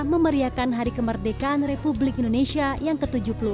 memeriakan hari kemerdekaan republik indonesia yang ke tujuh puluh empat